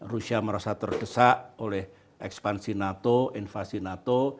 rusia merasa terdesak oleh ekspansi nato invasi nato